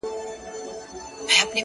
o يو بيده بل بيده نه سي ويښولاى٫